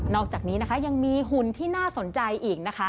อกจากนี้นะคะยังมีหุ่นที่น่าสนใจอีกนะคะ